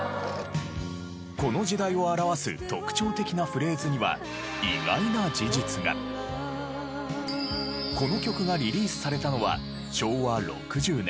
この時代を表す特徴的なフレーズにはこの曲がリリースされたのは昭和６０年。